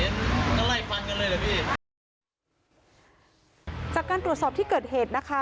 ไล่ฟันกันเลยเหรอพี่จากการตรวจสอบที่เกิดเหตุนะคะ